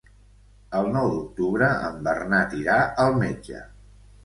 El nou d'octubre en Bernat irà al metge.